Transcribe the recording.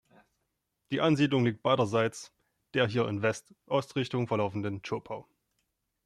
Die Ansiedlung liegt beiderseits der hier in West-Ost-Richtung verlaufenden Zschopau.